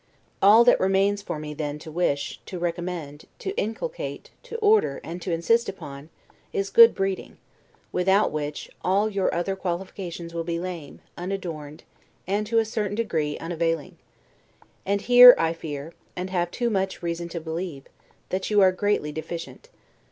All that remains for me then to wish, to recommend, to inculcate, to order, and to insist upon, is good breeding; without which, all your other qualifications will be lame, unadorned, and to a certain degree unavailing. And here I fear, and have too much reason to believe, that you are greatly deficient.